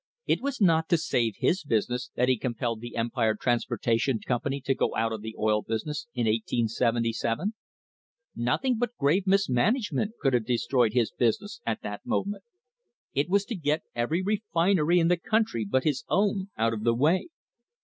It was not to save his business that he compelled the Empire Transportation Company to go out of the oil business in 1877. Nothing but grave mismanage ment could have destroyed his business at that moment; it was to get every refinery in the country but his own out of the way.